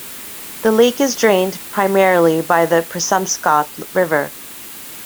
The lake is drained primarily by the Presumpscot River.